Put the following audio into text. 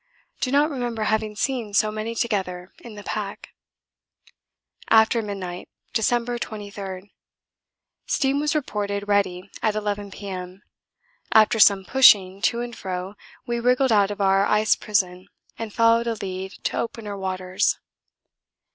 Do not remember having seen so many together in the pack. After midnight, December 23. Steam was reported ready at 11 P.M. After some pushing to and fro we wriggled out of our ice prison and followed a lead to opener waters.